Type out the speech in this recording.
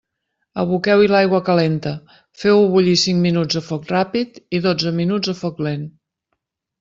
Aboqueu-hi l'aigua calenta, feu-ho bullir cinc minuts a foc ràpid i dotze minuts a foc lent.